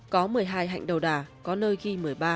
có một mươi hai hạnh đầu đà có nơi ghi một mươi ba